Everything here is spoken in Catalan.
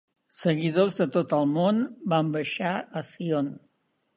Seguidors de tot el món van baixar a Zion.